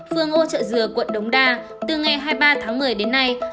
phương ô trợ dừa quận đống đa từ ngày hai mươi ba tháng một mươi đến nay